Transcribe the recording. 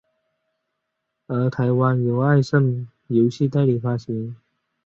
而台湾由爱胜游戏代理发行。